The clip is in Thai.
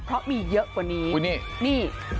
เพราะมีเยอะกว่านี้นี่